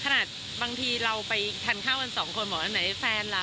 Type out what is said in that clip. บางทีเราไปทานข้าวกันสองคนบอกว่าไหนแฟนล่ะ